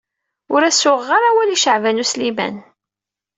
Ur as-uɣeɣ ara awal i Caɛban U Sliman.